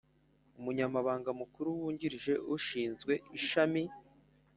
umunyamabanga mukuru wungirije ushinzwe ishami